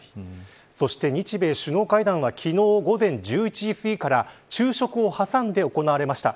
そして、日米首脳会談が昨日午前１１時すぎから昼食を挟んで行われました。